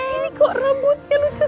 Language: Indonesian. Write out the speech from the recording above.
ini kok rambutnya lucu